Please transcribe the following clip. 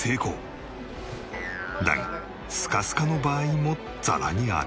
だがスカスカの場合もざらにある。